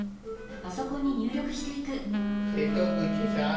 瀬戸口さん